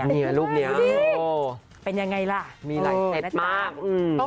นี่ลูกนี้โอ้โหมีอะไรเก็บมากอืม